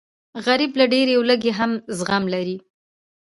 غریب له ډېرې لوږې هم زغم لري